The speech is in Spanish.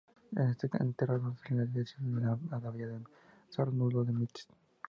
Está enterrado en la Iglesia de la Abadía de San Arnulfo de Metz.